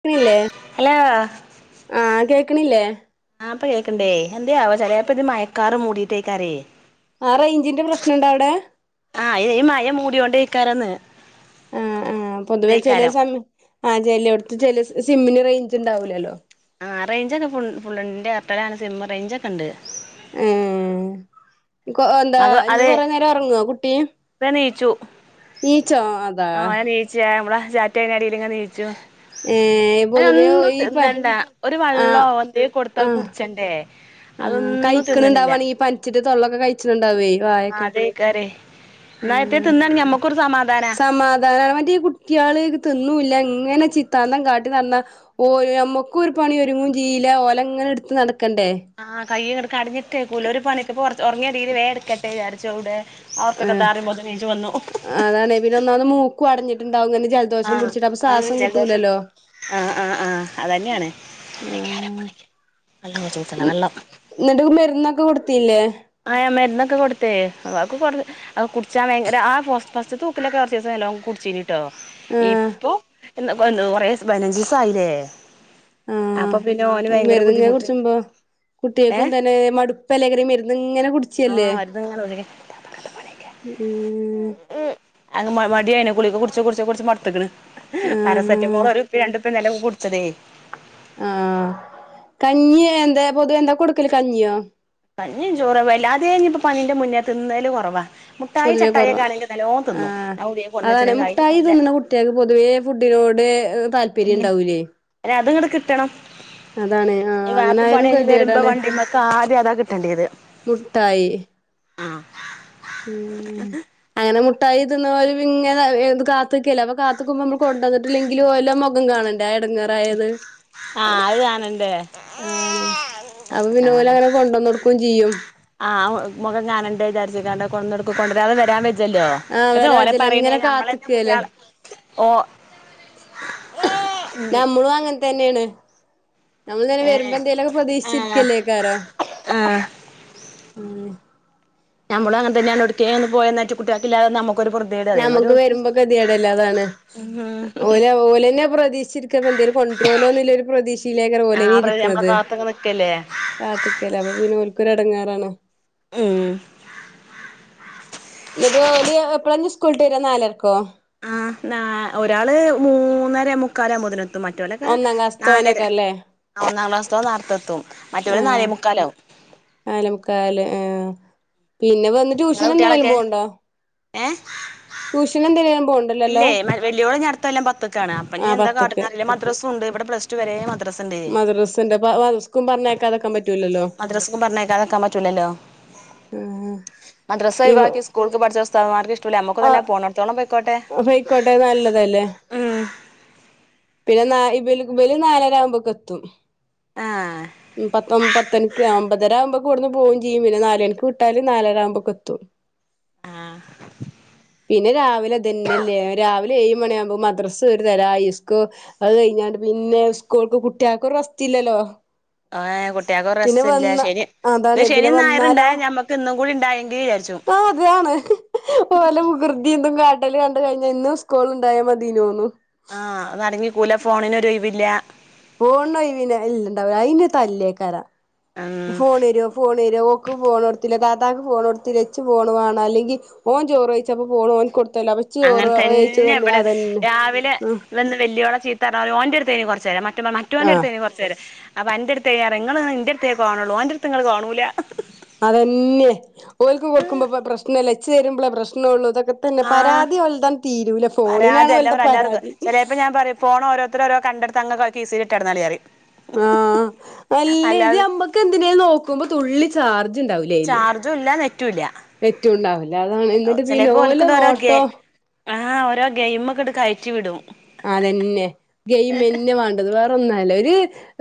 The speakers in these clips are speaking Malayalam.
ക്ക്ണില്ലേ ഹലോ ആഹ് കേക്ക്ണില്ലേ ആ ഇപ്പൊ കേൾക്കിണ്ടേ എന്തേ ആവോ ചെലേപ്പൊ ഇത് മഴക്കാർ മൂടിയിട്ടെയ്ക്കാരേ ആഹ് റേഞ്ചിന്റെ പ്രശ്നം ഉണ്ടോ അവിടെ ആഹ് ഈ മഴ മൂടിയോണ്ടയ്ക്കാരംന്ന് ആഹ് ആഹ് പൊതുവെ ചെല സമയം ആ ചെലോട്ത്ത് ചെല സിമ്മിന് റേഞ്ച്ണ്ടാവൂലല്ലോ ആ റേഞ്ച്ണ്ട് ഫുൾഫുൾ ന്റെ എയർടെലാണ് സിം റേഞ്ച് ഒക്കെ ഉണ്ട് ഏ എന്താ ഇനി കൊറെ നേരം ഒറങ്ങോ കുട്ടി ഇപ്പം എണീച്ചു എണീച്ചോ അതാ ച നമ്മള് ചാറ്റെയ്യണേന്റെടെയില് ണീച്ചു ഏഹ് യിന് പൊതുവേ ഒന്നും ഈ പ തിന്നണ്ട ഒരു ആഹ് വള്ളോ എന്തേ കൊടുത്ത അത് ആഹ് കുടിച്ചണ്ടേ അതൊന്നും തിന്നണില്ല ച്ചിട്ട് തൊള്ളൊക്കെ കയിച്ചിണ് ണ്ടാവേ വായൊക്കെ ക്കരെ എന്ന ഇത് തിന്നാണേ ഞമ്മക്കൊരു സമാധാനാ സമാധാന മറ്റേ ഈ കു കുട്ടിയാള് ഇത് തിന്നുല്ല ഇങ്ങനെ ചിത്താന്തം കാട്ടി നടന്ന ഓയ് നമ്മക്കൊരു പണി ഒരുങ്ങും ചെയ്യില ഓലെങ്ങനെ ഇട്ത്ത് നടക്കണ്ടേ ആഹ് കയ്യിങ്ങട് കടഞ്ഞിട്ട്ക്കൂല ഒരു പണിക്ക് ഇപ്പൊ ഒറങ്ങിയെടേല് വേ ഇട്ക്കട്ടെ വിചരിച്ചു എവടെ അതൊക്കെ താ പറയുമ്പത്തിനും ണീച്ചു വന്നു പിന്നൊന്നാമത് മൂക്കും അടഞ്ഞിട്ടുണ്ടാകും ജൽ ആഹ് ആണ് ജലദോഷം ആഹ് ആഹ് ആഹ് അതന്നെയാണ് ആഹ് [unintelligible] വെള്ളം ഇന്നിട്ട് മെരുന്നൊക്കെ കൊടുതീനില്ലേ ആ മെരുന്നൊക്കെ കൊടുത്തെയ് അതൊക്കെ കൊറ അത് കുടിച്ചാൻ ഭയങ്കര ആ ഫസ്റ്റ്ത്തെ ഉക്കിലൊക്കെ കൊറച്ചീസം നല്ലോണം കുടിച്ചീനി ട്ടോ ആഹ് ഇപ്പൊ എന്ത കൊറേ പതിനജിസം ആയില്ലേ ആഹ് മെര്ന്ന്ങ്ങനെ കുടിച്ചുമ്പോ ഏഹ് കുട്ട്യേക്കുംതന്നെ മടുപ്പല്ലേകാരം ഇങ്ങനെ മെരു ന്നിങ്ങനെ കുടിച്ചല്ലേ ആഹ് മരുന്നിങ്ങനെ ഉം അത് മടിയാണ് ഗുളിക കുടിച്ച് കുടിച്ച് കുടിച്ച് മടുത്ത്ക്ക്ണ് ആഹ് പാരസെറ്റമോൾ ഒരു പ്പി രണ്ടുപ്പിന്നല്ല ഇന്നലെ കുടിച്ചതേ ആഹ് കഞ്ഞി എന്തേ പൊതുവേ എന്താ കൊടുക്കല് കഞ്ഞിയോ കഞ്ഞീം ചോറും വല്ലാതെ ഇനിപ്പോ പനീന്റെ മുന്നേ തിന്നല് കൊറവാ മുട്ടായി പൊതുവേ ചട്ടായി കൊറവാ ഒക്കെആണെങ്കി നല്ലോ തിന്നും അയിന് നല്ല ട്ടിയാക്ക് പൊതുവേ ഫുഡിനോട് താല് അല്ല അത്ങ്ങട് കിട്ടണം അതാണ് ഇഞ്ഞി ആഹ് അങ്ങനെ വാപ്പ ആയാലും പണി കയിഞ് വരുമ്പോ കെതിയേടാണ് വണ്ടിമ്മക്ക് ആദ്യം അതാ കിട്ടിയണ്ടേത് മുട്ടായി ഉം അങ്ങനെ മുട്ടായി തിന്ന്ണോര് ഇങ്ങനെ കാത്ത്ക്കല്ലോ അപ്പൊ കാത്ത്ക്കുമ്പോ നമ്മ കൊണ്ടുന്നട്ട ങ്കിലും ഓലെ മുഖം കാണണ്ടെ ആഹ് അത് കാണണ്ടേ അതാണെ അപ്പൊ പിന്നെ ഓലങ്ങനെ കൊണ്ടന്നൊടുക്കും ചിയ്യും ആ മുഖം കാണണ്ടെ വിചാരിച്ചാങ്ങാണ്ട് കൊടുന്നൊടുക്കും കൊണ്ടരാതെ വരാൻ ല്ലോ ആഹ് എന്തിനാ വരാ ഓലെ വെജ്ജല്ല ഇങ്ങനെ പറീണത് നമ്മളന്നെ കാത്ത്ക്കല്ലേ കുട്ടിയാള് ഓ നമ്മളും അങ്ങനെ തന്നെണ് നമ്മൾ ഇങ്ങനെ വരുമ്പോ ഏഹ് എന്തേലൊക്കെ ആഹ് പ്രതീക്ഷിച്ചിരിക്കല്ലേക്കാരം ആഹ് മ [unintelligible] നമ്മളും അങ്ങനെതന്നെയാണ് എവുടുകേലൊന്ന് പോയ കുട്ടിയാക്കില്ലാതൊന്നും നമ്മ ഞമ്മക്ക് വരുമ്പോ ഗതിയേടല്ലെ അതാണ് ഉം ഓല ഓലന്നെ പ്രതീക്ഷിച്ച് എന്തേലും കൊ ണ്ടരോല്ലോ ഒരു പ്രദീക്ഷിലേകാരം ആഹ് ഓലെന്നെ അവര് നമ്മളെ ഇരിക്ക്‌ണത് കാത്ത്ങ്ങനെ നിക്കല്ലേ കാത്ത്ക്കല്ലേ അപ്പൊ പിന്നെ ഓല്കോര് എടങ്ങേറാണ് ഉം ഇന്നിട്ട് ഓല് എപ്പള ഇഞി സ്കൂള്ട്ടേര നാലർക്കോ ആഹ് ന്നാ ഒരാള് മൂന്നര മുക്കാലാവുമ്പതിന് എത്തും മറ്റോലൊക്ക ഒന്നാം ക്ലാസ്ത്തെ നാലര ഓനേക്കാരല്ലേ ഒന്നാം ക്ലാസ്സിത്തോൻ നേർതെത്തും മറ്റോല് നാലേമുക്കാലാവും നാലെ മുക്കാല് ആഹ് പിന്നെ വന്ന് ഇങ്ങളെ ട്യൂഷൻ എന്തിനേലും കുട്ടികളൊക്കെ പോണുണ്ടോ ഏഹ് ട്യൂഷന് എന്തിനേലു പോണ് ഇല്ലെ വല്യോള് ഇഞി അട്ത്തൊല്ലം പത്ത്ക്കാണ് അപ്പഞി ആഹ് എന്താ കാട്ട്ണെ പത്ത്ക്ക് അറീല മദ്രസുണ്ട് ഇവിടെ പ്ലസ്ടു വരേ മദ്ര മദ്രസണ്ട് അപ മദ്രസ്ക്കും പറഞ്ഞയക്കാത്ക്കാൻ പറ്റൂലലൊ മദ്രസ്കും പറഞ്ഞയക്കാതക്കാൻ പറ്റൂലലൊ ആഹ് ഇവ മദ്രസൊഴിവാകി സ് കൂൾക്ക് പഠിച്ച ഉസ്താദുമാർക്ക് ഇഷ്ടോല്ല നമുക്കും തന്നെ പോണൊട്ത്തോളം പൊയ്ക്കോട്ടെ പൊയ്ക്കോട്ടെ നല്ലതല്ലേ ഉ പിന്നെ നാ ഇബല് ഇബല് നാലരാവുമ്പക്കെത്തും ആഹ് പത്തൊ പത്തണിക്ക് ഒമ്പതര ആവുമ്പക്ക് ഇവ്ടന്ന് പോവും ചിയ്യും പിന്നെ നാലണിക്ക് വിട്ടാല് നാലര ആവുമ്പക്കെത്തും ആഹ് പിന്നെ രാവിലെ ഇതന്നെല്ലേ രാവിലെ ഏഴ് മണിയാവുമ്പൊ മദ്രസ് ഒരു തല ഇസ്കൂ അത് കഴിഞ്ഞാണ്ട് പിന്നെ സ്കൂൾക്ക് കുട്ടീൾക്കൊരു റസ്റ്റില്ലലൊ ഏഹ് കുട്ടീൾക്കൊരു റസ്റ്റില്ല ശനി. അതാണ് പിന്നെ ശനി ഞായറു ഇണ്ടായ ഞമ്മക്ക് ഇന്നും കൂടി ഇണ്ടായെങ്കി വിചാരിച്ചും ആഹ് അതാണ് ഓലെ വികൃതി ഇതും കാട്ടല് കണ്ട കഴിഞ്ഞ ഇന്നും സ്കൂള് ഇണ്ടായാ മതീനോന്നും ആഹ് അടങ്ങി ഇർക്കൂല ഫോണിനൊരൊഴിവില്ല ഫോൺനൊഴിവിനല്ല ഇണ്ടാവ അയിന് തല്ലേകാരം ഉം ഫോണെരോ ഫോണെരോ ക്ക് ഫോണൊട്ത്തിലെ താത്താക്ക് ഫോണൊട്ത്തിലെ ഇച്ച് ഫോണ് വേണ അല്ലെങ്കി ഓൻ ചോറൊഴിച്ചപ്പൊ ഫോണ് ഓന് കൊടുത്തലൊ അപ്പ ഇച്ച് അങ്ങനെ ചോറൊഴിച്ച് തന്നിലാ അതന്നെ വന്ന് വല്യോള ചീത്ത പർഞ ഓന്റട്ത്തേന് കൊറ്ച്ചേരം ആഹ് മറ്റോന്റട്ത്തേനു കൊറ് അപ്പൊ അന്റടുത്ത് ഞാ ഇങ്ങള് ഇന്റെട്ത്തേ കാണൊള്ളു ഓന്റട്ത്ത് ഇങ്ങള് കാണൂല അതന്നെ ഓല്ക്കു കൊടുക്കുമ്പൊ പ്രശ്നല്ല ഇച്ച് തരുമ്പള പ്രശ്നൊള്ളു ഇതൊക്കെ തന്നെ ആഹ് പരാതി ഓലതൻ തീരൂല ഫോണിനാണ് ഓല്ട പരാതി ഫോണ് ഓരോത്തര് ഓരോ കണ്ടട്ത്ത് അങ്ങന കീസീലിട്ട് നടന്നാളി പറിയ് ആഹ് അല്ല ഇത് നമ്മക്ക് എന്തിനേലു നോക്കുമ്പൊ തുള്ളി ചാർജ് ഇണ്ടാവുല അയില് ചാർജും ഇല്ല നെറ്റും ഇല്ല നെറ്റും ഇണ്ടാവൂല അതാണ് ഇന്നിട്ട് പിന്നെ ചിലപ്പോ ഓല ഓൽക്കിണ്ട് ഓരോ ഗെ നോട്ടൊ ആഹ് ഓരോ ഗെയിംമക്കട് കയറ്റി വിടും അതെന്നെ ഗെയിമെന്നെ വാ ത് വേറെ ഒന്നു അല്ല ഒര്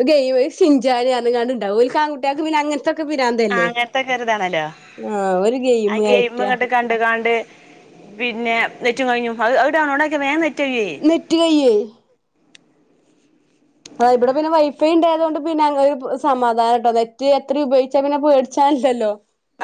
ഗെയിമ് ശിൻജാരി അർഞ്ങ്ങാണ്ട് ഇണ്ടാവു ഓൽക് ആൺകുട്ട്യാക്ക് പിന്നെ അങ്ങനെ ഇതൊക്കെ ആഹ് പിരാന്തല്ലെ അങ്ങനത്തെക്കെ ഒരിതാണല്ലോ ആഹ് ഒരു ആ ഗെയിമ് ഗെയിം കയറ്റ ഇങ്ങട്ട് കണ്ട് കാണ്ട് പിന്നെ നെറ്റും കഴിഞ്ഞു അഹ് ടൗൺലോടാക്ക്യ വേ നെ നെറ്റ് കയ്യൊ അ ഇവിടെ പിന്നെ വൈഫൈ ഇണ്ടായതോണ്ട് പിന്നെ അങ്ങനൊര് സമാധാനംട്ടൊ നെറ്റ് എത്ര ഉപയോഗിച്ച പിന്നെ പേടിച്ചാല്ലലൊ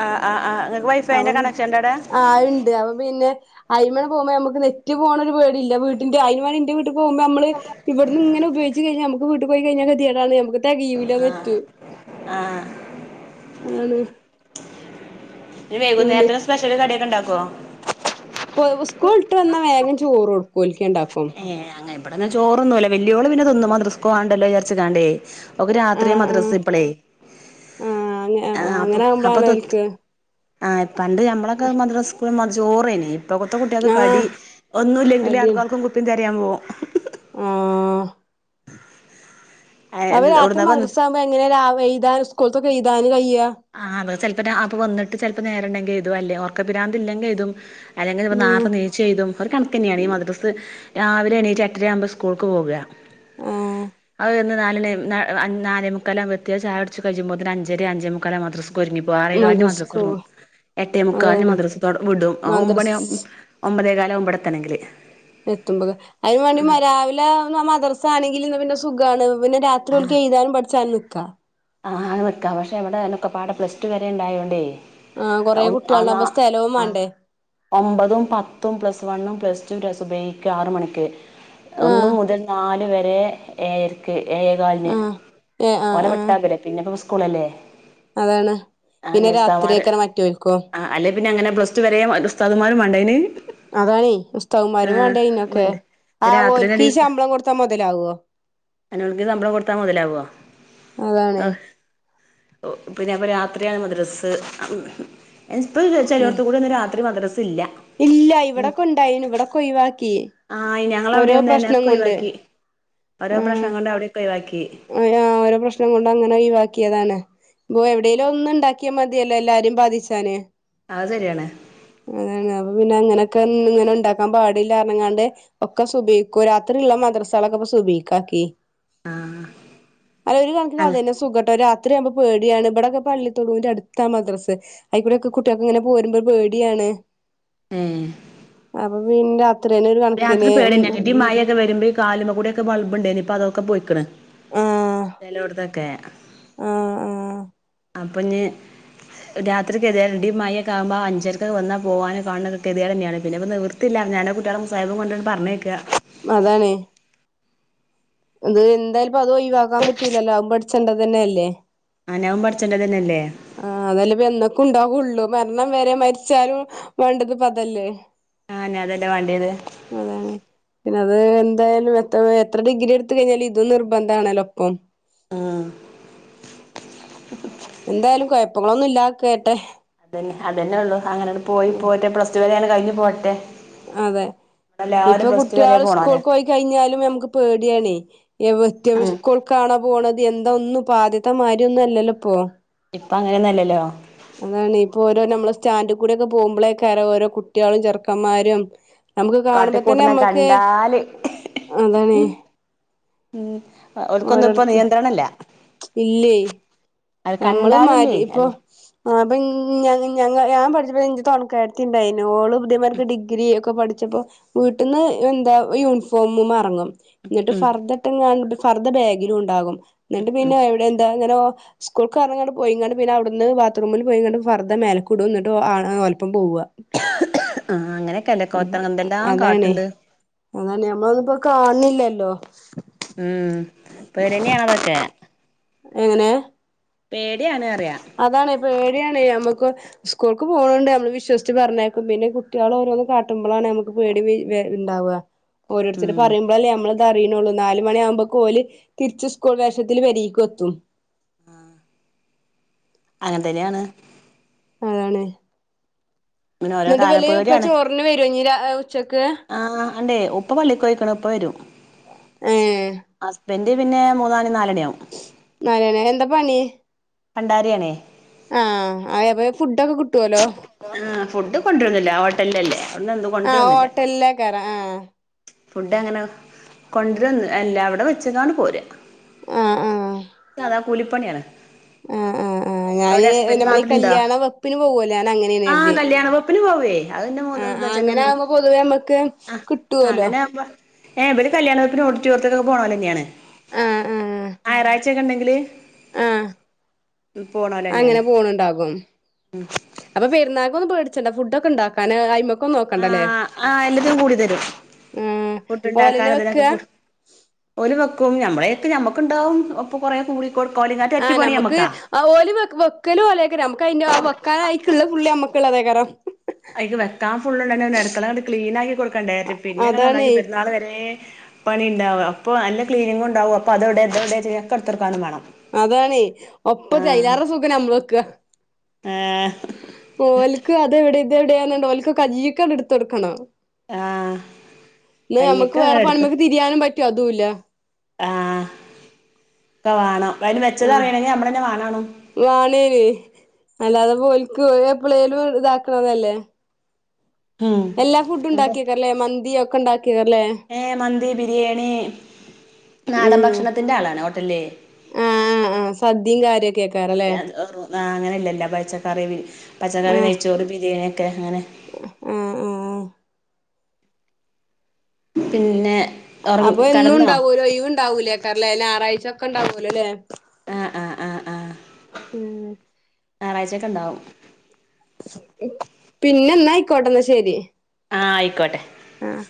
ആഹ് ആഹ് ആഹ് ഇങ്ങക്ക് അവ വൈഫൈന്റെ കണക്ഷൻ ഇണ്ടടെ ആഹ് ഇണ്ട് അവ പിന്നെ അയ്മെ പോവുമ്പൊ നമക്ക് നെറ്റ് പോണ ഒരു പേടില്ല വീട്ടിന്റെ അയ്മണിന്റെ പോവുമ്പൊ നമ്മള് ഇവിടുന്ന് ഇങ്ങന ഉപയോഗ നമക്ക് വീട്ടി പോയികഴിഞ്ഞ കത്തിയേടാണ് നമക്ക് തെകയൂല നെറ്റ് ആഹ് ആണ് നെറ്റ് വൈകുംനേരത്തിന് സ്പെഷ്യൽ കടിയെക്കണ്ടാക്കൊ ഇപൊ സ്കൂൾട്ട് വന്നാ വേഗം ചോറ് കൊടുക്കു ഓല്ക്ക് രണ്ടാക്കും ഏഹ് അങ്ങനെ ഇവിടന്നാ ചോറൊന്നൂല്ല വല്യോള് പിന്നെ തിന്നും മദറസ്കോവാണ്ടലൊ വിജാർച്ചിക്കാണ്ടെ അവൾക്ക് രാത്രിയാ ആഹ് ആഹ് മദ്രസ് ഇപ്പളേ ആഹ് അങ്ങ അപ്പൊ അങ്ങനെ അപ്പൊ ആകുമ്പോളാണ് ഓൽക്ക് ആഹ് പണ്ട് ഞമ്മളൊക്കെ മദ്ര സ്കൂള ചോറെനി ഇപ്പൊത്ത കുട്ടി കളി ആഹ് ഇപ്പോ ഒന്നുംല്ലെങ്കിലിൽ കടിയാണ് ആൾക്കാർക്കും കുപ്പി തരായാൻ പോകും ആഹ് അവര് രാത്രി എവ്ട്ന്നാ വന്ന് മദ്രസ ആകുമ്പോ എങ്ങനെ എഴതാന് സ്കൂൾതൊക്കെ എഴുതാനും കഴ്യാ ആഹ് അതെ ചെപ്പോ അപ്പൊ വന്നിട്ട് ചെപ്പോ നേരണ്ടെങ്കിൽ ഇതും അല്ലേ ർക്ക പിരാന്തി ഇല്ലെങ്കിൽ എഴുതും അല്ലെങ്ക ഉം നേർത്ത നീച് എയ്തും ഒക്കെ കണക്ക് തന്നെയാണ് ഈ മ രാവിലെ എണിറ്റു എട്ടര ആകുമ്പോൾ സ്കൂൾക് പോക ആഹ് നാലണി നാലേ മുക്കാലായി എത്തിയാൽ ചായകുടിച്ച് കഴിയുമ്പോത്തിന് അഞ്ചര അഞ്ചേ മുക്കാലായ മദ്രസക്കും ഒരുങ്ങിപ്പോ ആറ കാലിൻ മദ്രസ മദ്രസ്ക്ക് തുടങ്ങും പോവാ എട്ടേ മുക്കാലിൻ അതാണ് മദ്രസ വിടും മദ്രസ് ഒമ്പതേ കാലാവും മ്പടെത്തണമെങ്കിൽ എത്തുമ്പൊ അതിനുംവേണ്ടി രാവിലെ മദർസ ആണെങ്കില ഇന്നാ പിന്നെ സുഖണ് പിന്നെ രാത്രി ഓലിക്ക് എഴുതാനും പഠിച്ചാനും നിൽക്ക ആഹ് നിക്കാം പക്ഷെ എവിടെക്കെപാട പ്ലസ ടു വരെ ഉണ്ടായോണ്ടേ ആഹ് കുറെ അതാ കുട്ടികളണ്ടാകുമ്പോ സ്ഥലവും ആഹ് വേണ്ടേ ഒമ്പതും പത്തും പ്ലസ് വണ്ണും പ്ലസ് ടു രസുബഹിക്കു ആറ മണിക്ക് ഒന്നു ആഹ് മുതൽ നാൽവരെ ഏയരക്ക് ഏയകാലിന് ആഹ് ഏഹ് ആഹ് ഓലെ വിട്ട് ആഹ് പിന്നെപ്പം സ്കൂളല്ലേ അതാണ് പിന്നെ രാത്രിയക്കര മറ്റോൽക്കോ ആഹ് അല്ലെ പിന്ന അങ്ങനെ പ്ലസ്ടു വരെ ഉസ്താദുമാരും വേണ്ടതിന് അതാണേ ഉസ്തമാരും വേണ്ട അയ്നൊക്കെ വേണ്ടേ ആ രാത്രിന്നെ ഓൽക്ക് ഡീ ഈ ശമ്പളം കൊടുത്താ മുതലാവുവോ അതിനോൽക്ക് ശമ്പളം കൊടുത്താൽ മുതലാവുമോ അതാണ് പിന്നെ പ്പൊ രാത്രിയാണ് മദ്രസ് ഇപ്പോ ഉം ചേലോടത് കൂടി ഒന്ന് രാത്രി മദ്രസ ഇല്ല ഇല്ല ഇവിടെ കൊണ്ടായിന ഇവിടെക്ക ഒഴിവാക്കി ആഹ് ഞങ്ങളവിടെ ഓരോ പ്രശ്നം വന്നക്കെ കൊണ്ട് ഒഴിവാക്കി ഓരോ പ്രശ്നം കൊണ്ട് അവിടെയൊക്കെ ഒഴവാക്കി ഓ ഓരോ പ്രശ്നം കൊണ്ട് അങ്ങനെ ഒഴിവാക്കിയതാണ് എവിടെലും ഒന്നും ഉണ്ടാക്കിയാൽ മതിയല്ലോ എല്ലാരും ബാധിച്ചാന് അഹ് ശരിയാണ് അത അപ്പ പിന്നെ അങ്ങനെയൊക്കെ ഇങ്ങനെ ഉണ്ടാക്കാൻ പാടില്ലാർഞ്ക്കാണ്ട് ഒക്കെ സുബഹി രാത്രിയള്ള മദ്രസകളൊക്കെ സുബഹിക്കാക്കി ആഹ് അല്ല ഒരു കണക്കി അ തന്നെ സുഖട്ടം ഒരു രാത്രിയാവുമ്പോ പേടിയാണ് ഇവിടെക്കെ പള്ളിത്തടുന്റെ അടുത്താ മദ്രസ് അയിക്കൂടെ ഒക്കെ കുട്ടികൾക്ക ഇങ്ങനെ പോരുമ്പോ പേടിയാണ് ഉം അപ്പൊ പിന്നെ രാത്രിേന ഒരു രാത്രി കണക്കിന് പേടിയന്നെയാണ് ഇടി മഴയൊക്കെ വരുമ്പോ കാലുമകൂടി ഒക്കെ ബൾബുണ്ട്നിപ്പൊ അതൊക്കെ പോയിക്കണ് ആഹ് ചെലോടത്തൊക്കെ ആഹ് ആഹ് അപ്പഞ് രാത്രി [unintelligible] മയക്കകുമ്പോ അഞ്ചരക്ക് വന്നാ പോകണ കാണുന്ന [unintelligible] നിവർത്തില്ല ഞാൻ കുട്ടാളെ മുസഹബും കൊണ്ട് പറഞ്ഞേക്കുക അതാണ് അത് എന്തായാലും പ്പ അത് ഒഴിവാൻ പറ്റൂല്ലല്ലോ അതും പഠിച്ചേണ്ടത് തന്നെ അല്ലേ ആന്നെ അതും പടിച്ചണ്ടത് തന്നെയല്ലേ ആഹ് അതല്ലേ ഇപ്പ എന്നൊക്കെ ഉണ്ടാവുള്ളു. മരണം വരെ. മരിച്ചാലും വേണ്ടത്പ്പതല്ലേ? ആഹ് ന്നേ അതല്ലേ വേണ്ടിയത്? അതാണ് പിന്നെ അത് എന്തായാലും എത്ര എത്ര ഡിഗ്രി എടുത്ത് കഴിഞ്ഞാലും ഇതും നിർബന്ധാണല്ലോ ഒപ്പം. ആഹ് എന്തായാലും കൊയപ്പങ്ങളൊന്നും ഇല്ലാ കേട്ടേ അതന്നെ അതന്നേള്ളു. അങ്ങനങ്ങട് പോയി ആഹ് പോയിട്ടെ പ്ലസ് ടുവരെ അങ്ങട് കഴിഞ്ഞു പോരട്ടെ അതെ ഇപ്പ വരെ കുട്ട്യാൾ പോണോല്ലേ സ്കൂൾക്ക് പോയി കഴിഞ്ഞാലും ഞമുക്ക് പേട്യാണേ. ഇവറ്റകൾ സ്കൂൾ ക്കാണോ പോണത് എന്താ ഒന്നുപ്പാദ്യത്തെ മാരിയൊന്നും അല്ലല്ലോ. ഇപ്പോ ഇപ്പോ അങ്ങനെയൊന്നല്ലല്ലോ അതാണേ ഇപ്പോ ഓരോ ഞമ്മള് സ്റ്റാൻഡ് കൂടെ ഒക്കെ പോകുമ്പോളേക്കാര ഓരോ കുട്ടികളും ചെറുക്കന്മാരും. ഞമ്മക്ക് കാണുമ്പ ന്നെ കാട്ടിക്കൂട്ടനെ ഞമ്മക്ക് കണ്ടാല് അതാണേ. ഉം ഓര്ക്കൊന്നും ഇപ്പോ നിയന്ത്രണം ഇല്ല ഇല്ലേ ഞമ്മള് കണ്ടാലുമില്ലേ മാരി ഇപ്പോ അത് ആഹ് അപ്പ ഈ ഞങ്ങ് ഞങ്ങ ഞാൻ പഠിച്ചപ്പോ ഇഞ്ജെ തൊണക്കാരത്തിണ്ടായിനു ഓളും. ഇതിയമാർക്ക് ഡിഗ്രി ഒക്ക പഠിച്ചപ്പോ വീട്ടിന്ന് എന്താ യൂണിഫോമ് മ എറങ്ങും എന്നിട്ട് ഉം ഫർദട്ട്ങ്ങാണ്ട് ഫർദ്ദ ബാഗിലുണ്ടാകും. ഇന്നിട്ട് ഉം പിന്നെ എവിടെ എന്താ ഇങ്ങനെ. സ്കൂൾക്കെറങ്ങി അങ്ങട് പോയിങ്ങാണ്ട് പിന്നെ അവിടുന്ന് ബാത്റൂമില് പോയിങ്ങാണ്ട് ഫർദ്ദ മേലക്കൂടും. ന്നട്ട് ആണ് ഓലോപ്പം പോവുക. ആ അങ്ങനെയൊക്കെയല്ലേ [unintelligible] കൊത്തങ്ക് എന്തെല്ലാം അതാണേ കാട്ടുണ്ട് അതാണ് ഞമ്മൾ ഒന്നുംപ്പോ കാണണില്ലല്ലോ ഉം പേട്യന്ന്യാണതൊക്കെ എങ്ങനെ? പേട്യാണ് ആണ് പറയാ അതാണ് പേട്യാണേ നമുക്കും സ്കൂൾക്ക് പോണണ്ട്. ഞമ്മള് വിശ്വസിച്ച് പറഞ്ഞാക്കും. പിന്നെ കുട്ട്യോളാ ഓരോന്ന് കാട്ടുമ്പളാണേ നമുക്ക് പേടി മീ വേ ഇണ്ടാവാ. ഓരോരുത്തര് ഉം പറയുമ്പോ പ്പളല്ലേ നമ്മളിത് അറിയണള്ളൂ. നാല് മണിയാവുമ്പക്കോല് തിരിച്ച് സ്കൂൾ വേഷത്തില് പെരിക്കും എത്തും. ആഹ് അങ്ങൻതന്നെയാണ്. അതാണേ. ഇങ്ങനെ ഓരോ എന്നിട്ട് കാലം വല്ല്യേ ഇപ്പ പേടിയാണ് ചോറിന് വര്വോ ഇഞ്ഞി രാ ഉച്ചക്ക്. ആഹ് അണ്ടേ ഉപ്പ പള്ളിക്കൊയിക്കണ്. ഉപ്പ വരും ഏഹ് ഹസ്ബൻഡറ് പിന്നെ മൂന്നാ നാല് നാലണീ ആവും നാലണ്യോ എന്താ പണി? പണ്ഡാരിയാണേ. ആഹ് അയ പയ ഫുഡൊക്കെ കിട്ടുവല്ലോ. ആഹ് ഫുഡ് കൊണ്ട് രൊന്നില്ല ഹോട്ടലിലല്ലേ? അതുകൊണ്ട് ഒന്നും കൊണ്ട് ആഹ് രൊന്നുല്ല. ഹോട്ടലിലേക്കാരം ആഹ് ഫുഡ് അങ്ങനെ കൊണ്ട് രോന്ന്ല്ല. എല്ലാവടെ വെച്ച്ട്ടാണ് പോരാ. ആഹ് ആഹ് അതാ കൂലിപ്പണ്യാണ്. ആഹ് ആഹ് ആഹ് ഞാന് ഈ നമ്മള് ഈ നാട്ടിലുണ്ടോ കല്യാണം വെ പ്പിന് പോവൂല്ലേ? ഞാനങ്ങനെയാണ് ആഹ് കരുതിയേ. കല്യാണ വെപ്പിന് പോവേ അതിന്റെ മൂത്ത ആഹ് മൂത്തച്ഛനും അങ്ങനെ ആവുമ്പോ പൊതുവെ നമ്മക്ക് ആഹ് കിട്ടുവല്ലോ അങ്ങനെ ആമ്പോ ഏഹ് ഇവര് കല്യാണവീട്ടിലും ഓഡിറ്റോറിയത്തിക്കും ഒക്കെ പോണോരന്നെയാണ്. ആഹ് ആഹ് ഞായറാ ച്ചക്കെണ്ടെങ്കില് ആഹ് പോണോലന്നെയാണ്. പോണ് ഇണ്ടാകും. ഉം അപ്പൊ പെര്ന്നാക്കൊന്നും പേട്ച്ചണ്ട ഫുഡൊക്കെ ഇണ്ടാക്കാന് അയ്മ ആഹ് ആഹ് എല്ലത്തിനും കൂടി തെരും ആഹ് ഫുഡ് ഓലന്നെ ഇണ്ടാക്കാനുതിനൊക്കെ വെക്കാ കൂടും ഓല് വെക്കും ഞമ്മളെയേക്ക് നമ്മക്ക്ണ്ടാവും ഒപ്പ കൊറേ കൂ ആഹ് നമ്മക്ക് ആഹ് ഓല് വെ വെക്കല് ഓലേക്കാരം അമ്മക്ക് അയ്ന്റെ അഹ് വെക്കാന് അയ്ക്ക്ള്ളെ ഫുള്ള് യമ്മക്ക്ള്ളതെയ്ക്കാരം അയ്ക്ക് വെക്കാൻ ഫുള്ള്ണ്ട് അയ്ന് അഹ് നെരത്ത്ണതാണ്ട് ക്ലീനാക്കി കൊടുക്കണ്ടേ [unintelligible] ച്ചും പിന്നെ അങ്ങനെ നന്നാക്കി അതാണേ പെരുന്നാള് വെരേ പണി ഇണ്ടാവ അപ്പൊ നല്ല ക്ലനിങ്ങുണ്ടാവും അപ്പൊ അതെവ്ടെ ഇതെവ്ടെ ചോയ്ച്ച ഒക്കെ ഇട്ത്തൊട്ക്കാനും മാണം അതണെയ് ഒപ്പ ക്ക് ആഹ് അയ്ലാറെ സുഖം നമ്മ്ള് വെക്ക. ഏഹ് ഓൽക്ക് അതെവ്ടെ ഇതവ്ടെ ന്ന്ണ്ടോ ഓൽക്ക് കയ്യീക്കാണ്ട് ഇട്ത്തൊട്ക്കണം ആഹ് ന്നാ ഞമ്മക്ക് കയ്യ്ക്ക് വേറെ എടുത്ത് പണിമെക്ക് തിരിയാനും പറ്റോ അതുംല്ല. ആഹ് ക്കവാണം അയ്ന് വെച്ചതറിയേണെങ്കി നമ്മളെന്നെ വാണേണും വാണേയ്നി അല്ലാതെപ്പൊ ഓൽക്ക് എപ്പളേലും ഇതാക്ക്ണതല്ലേ. ഉം എല്ലാ ഫുഡ്ഡും അതെ ഇണ്ടാക്കെയ്ക്കാരംല്ലേ മന്തി ഒക്കെ ഇണ്ടാക്കെയ്ക്കാരം ല്ലേ ഏഹ് മന്തി ബിരിയാണി നാടൻ ഉം ഭക്ഷണത്തിന്റെ ആളാണ് ഹോട്ടൽല്. സദ്യിം കാര്യ സദ്യ [unintelligible] ആഹ് അങ്ങനെ അല്ലെ എല്ലാ പച്ചക്കറിന്റിം പച്ചക്കറി ആഹ് നെയ്ച്ചോറ് ബിരിയാണിക്കെ അങ്ങനെ ആഹ് ആഹ് പിന്നെ ഉറ അപ്പൊ എന്നും കടന്നോ ഇണ്ടാവൊ ഒരൊഴ് വ് ഇണ്ടാവൂലേക്കാരംല്ലേ ഞറാഴ്ച ഒക്കെ ഇണ്ടാവോലോല്ലേ ആഹ് ആഹ് ആഹ് ഉം ഞറാഴ്ചെക്കെ ഇണ്ടാവും. പിന്നെ ന്നാ ആയ്ക്കോട്ടെ ന്നാ ശെരി. ആഹ് ആയ്ക്കോട്ടെ. ആഹ്